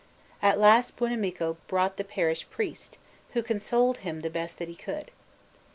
At last Buonamico brought the parish priest, who consoled him the best that he could.